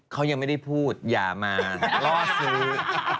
เขายังไม่ได้พูดอย่ามาล่อซื้อ